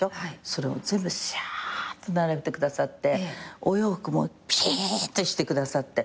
それを全部シャーッと並べてくださってお洋服もピシーッとしてくださって。